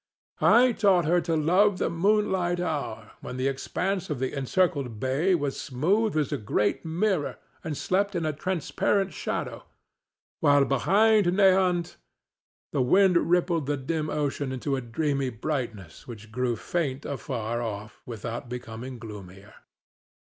I taught her to love the moonlight hour, when the expanse of the encircled bay was smooth as a great mirror and slept in a transparent shadow, while beyond Nahant the wind rippled the dim ocean into a dreamy brightness which grew faint afar off without becoming gloomier.